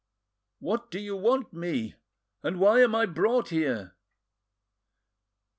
What do you want me? and why am I brought here?"